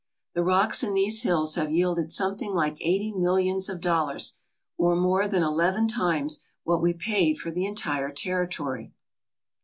The rocks in these hills have yielded some thing like eighty millions of dollars, or more than eleven times what we paid for the entire territory.